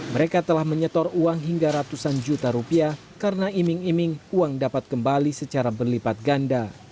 mereka telah menyetor uang hingga ratusan juta rupiah karena iming iming uang dapat kembali secara berlipat ganda